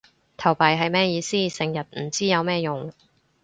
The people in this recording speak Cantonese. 投幣係咩意思？成日唔知有咩用